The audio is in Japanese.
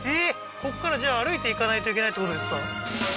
こっからじゃあ歩いていかないといけないってことですか？